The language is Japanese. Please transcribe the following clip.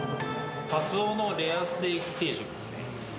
カツオのレアステーキ定食ですね。